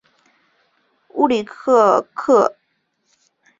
乌夫里克是西班牙安达卢西亚自治区加的斯省的一个市镇。